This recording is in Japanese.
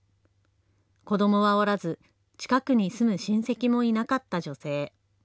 子どもはおらず近くに住む親戚もいなかった女性。